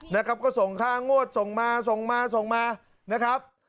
นะครับก็ส่งค่างวดส่งมาส่งมาส่งมานะครับ